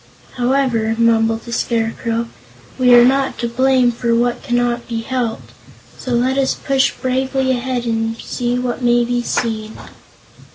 "However," mumbled the Scarecrow, "we are not to blame for what cannot be helped; so let us push bravely ahead and see what may be seen."